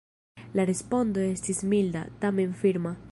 La respondo estis milda, tamen firma.